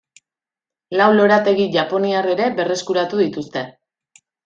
Lau lorategi japoniar ere berreskuratu dituzte.